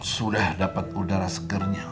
sudah dapat udara segernya